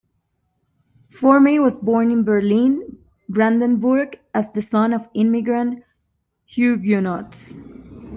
Formey was born in Berlin, Brandenburg, as the son of immigrant Huguenots.